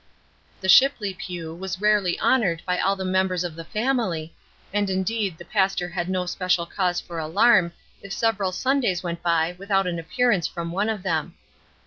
The Shipley pew was rarely honored by all the members of the family, and indeed the pastor had no special cause for alarm if several Sundays went by without an appearance from one of them.